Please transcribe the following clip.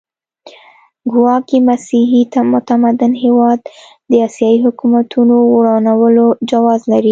ګواکې مسیحي متمدن هېواد د اسیایي حکومتونو ورانولو جواز لري.